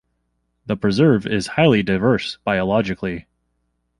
The preserve is highly diverse biologically.